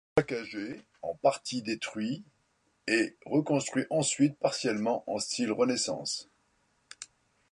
Il est saccagé, en partie détruit, et reconstruit ensuite partiellement en style Renaissance.